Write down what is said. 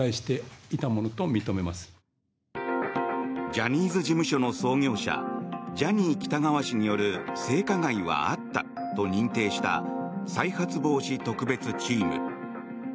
ジャニーズ事務所の創業者ジャニー喜多川氏による性加害はあったと認定した再発防止特別チーム。